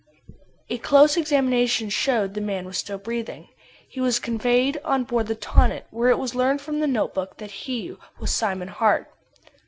A close examination showed that the man was still breathing. He was conveyed on board the Tonnant, where it was learned from the note book that he was Simon Hart.